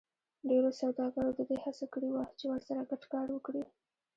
ډېرو سوداګرو د دې هڅه کړې وه چې ورسره ګډ کار وکړي